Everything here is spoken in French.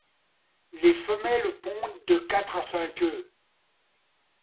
Les femelles pondent de quatre à cinq œufs.